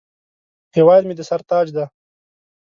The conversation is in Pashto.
هیواد مې د سر تاج دی